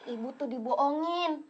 ibu tuh diboongin